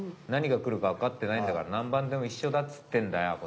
何が来るかわかってないんだから何番でも一緒だっつってんだよ